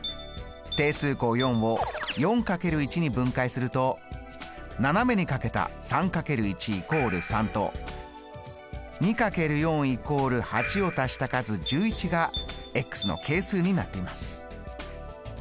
定数項４を４×１に分解すると斜めにかけた３×１＝３と２×４＝８を足した数１１がの係数になっています。